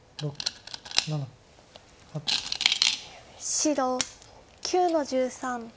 白９の十三。